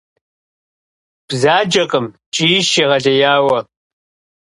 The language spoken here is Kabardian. Бзаджэкъым, ткӀийщ егъэлеяуэ.